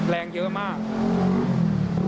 แรงเขาเยอะ